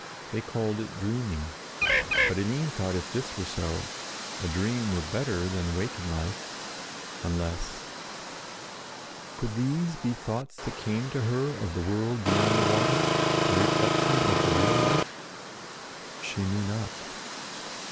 They called it dreaming; but Eline thought that if this were so, a dream were better than a waking life—unless— Could these be thoughts that came to her of the world beyond the water, the reflection of the real life? She knew not.